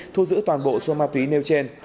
thu giữ toàn bộ xua ma túy nêu trên